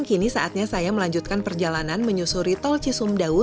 kini saatnya saya melanjutkan perjalanan menyusuri tol cisumdau